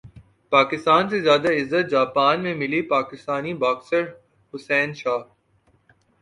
پاکستان سے زیادہ عزت جاپان میں ملی پاکستانی باکسر حسین شاہ